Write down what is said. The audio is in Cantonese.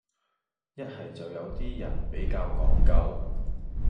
一係就有啲人比較講究